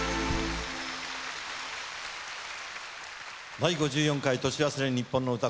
『第５４回年忘れにっぽんの歌』。